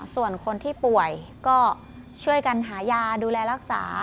ส่วนคนที่ป่วยก็ช่วยกันหายาดูแลรักษา